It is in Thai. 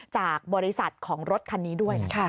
จากบริษัทของรถคันนี้ด้วยนะคะ